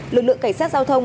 lực lượng cảnh sát giao thông